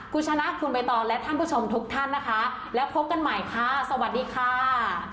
คุณชนะคุณใบตองและท่านผู้ชมทุกท่านนะคะแล้วพบกันใหม่ค่ะสวัสดีค่ะ